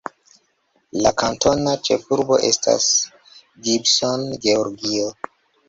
La kantona ĉefurbo estas Gibson, Georgio.